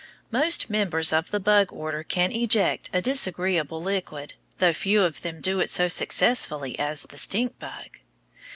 Most members of the bug order can eject a disagreeable liquid, though few of them do it so successfully as the stink bug.